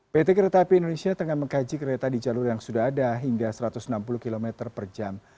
pt kereta api indonesia tengah mengkaji kereta di jalur yang sudah ada hingga satu ratus enam puluh km per jam